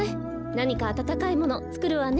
なにかあたたかいものつくるわね。